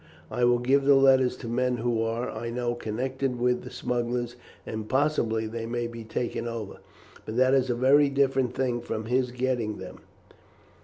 I will give the letters to men who are, I know, connected with the smugglers, and possibly they may be taken over, but that is a very different thing from his getting them.